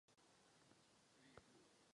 Vynikl však především jako filozof.